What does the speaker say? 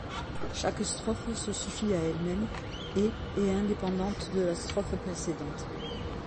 Chaque strophe se suffit à elle-même, et est indépendante de la strophe précédente.